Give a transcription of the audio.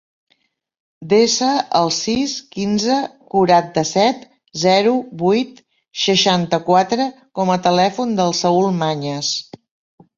Desa el sis, quinze, quaranta-set, zero, vuit, seixanta-quatre com a telèfon del Saül Mañas.